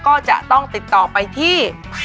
ก็จะต้องติดต่อไปที่